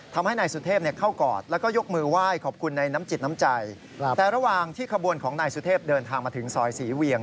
แต่ระหว่างที่ขบวนของนายสุเทพธุ์เดินทางมาถึงสอยสีเหวียง